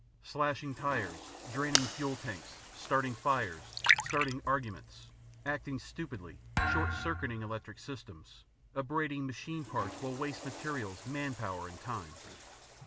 Slashing tires, draining fuel tanks, starting fires, starting arguments, acting stupidly, short circuiting electric systems, abrading machine parts will waste materials, manpower, and time.